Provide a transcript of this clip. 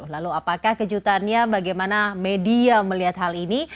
lalu apakah kejutannya bagaimana media melihat hal ini